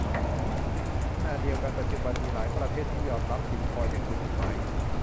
ขณะเดียวกันปัจจุบันมีหลายประเทศที่ยอมรับบิตคอยน์อย่างถูกกฎหมาย